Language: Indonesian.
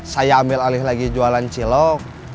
saya ambil alih lagi jualan cilok